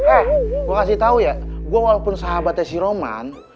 eh gue kasih tau ya gue walaupun sahabatnya si roman